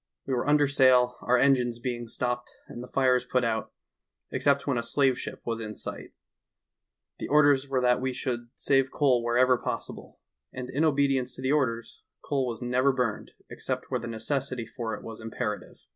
We were under sail, our engines being stopped and the fires put out, except when a slave ship was in sight; the orders were that we should save coal wherever possible, and in obedience to the orders, coal was never burned except where the necessity for it was imperative.